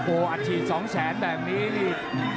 โอ้อัดฉีดสองแสนแบบนี้